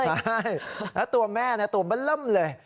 ใช่แล้วตัวแม่ตัวบัลล่ำเลย